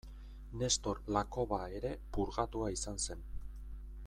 Nestor Lakoba ere purgatua izan zen.